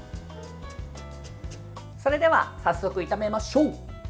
それでは早速、炒めましょう！